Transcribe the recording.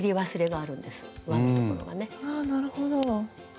あなるほど。